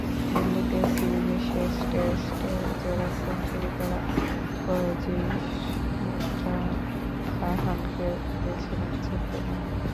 দিল্লিতে সিরিজের শেষ টেস্টে জোড়া সেঞ্চুরি করা অজিঙ্কা রাহানেকেও বেছে নিয়েছে পুনে।